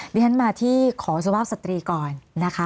ดิฉันมาที่ขอสุภาพสตรีก่อนนะคะ